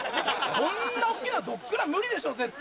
こんな大っきなのドッグラン無理でしょ絶対。